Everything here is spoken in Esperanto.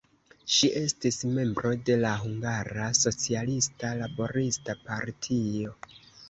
Ŝi estis membro de la Hungara Socialista Laborista Partio.